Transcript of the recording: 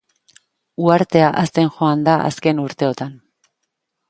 Uhartea hazten joan da azken urteotan.